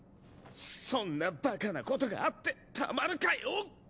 そんなバカなことがあってたまるかよ！